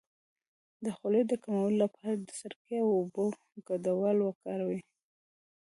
د خولې د کمولو لپاره د سرکې او اوبو ګډول وکاروئ